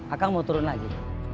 akang mau turun lagi